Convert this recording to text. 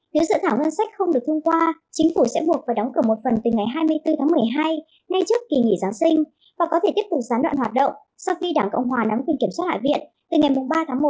nếu sự thảo ngân sách không được thông qua chính phủ sẽ buộc phải đóng cửa một phần từ ngày hai mươi bốn tháng một mươi hai ngay trước kỳ nghỉ giáng sinh và có thể tiếp tục sán đoạn hoạt động sau khi đảng cộng hòa nắm quyền kiểm soát hạ viện từ ngày ba tháng một năm hai nghìn hai mươi ba